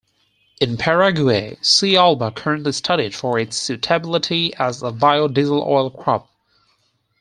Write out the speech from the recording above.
In Paraguay, "C. alba" currently studied for its suitability as a biodiesel oil crop.